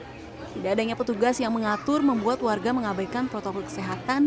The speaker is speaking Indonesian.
tidak adanya petugas yang mengatur membuat warga mengabaikan protokol kesehatan